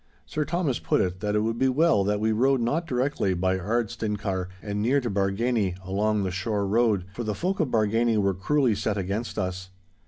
Sir Thomas put it, that it would be well that we rode not directly by Ardstinchar and near to Bargany along the shore road, for the folk of Bargany were cruelly set against us.